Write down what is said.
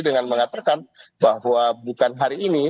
dengan mengatakan bahwa bukan hari ini